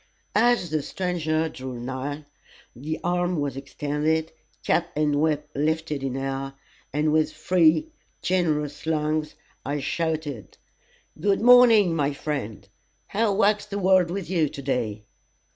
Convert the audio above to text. As the stranger drew nigh, the arm was extended, cap and whip lifted in air, and with free, generous lungs, I shouted "good morning, my friend, how wags the world with you to day?"